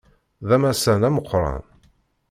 D amassan ameqqran.